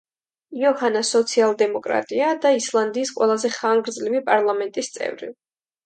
იოჰანა სოციალ-დემოკრატია და ისლანდიის ყველაზე ხანგრძლივი პარლამენტის წევრი.